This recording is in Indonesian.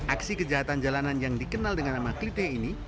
aksi kejahatan jalanan yang dikenal dengan nama klite ini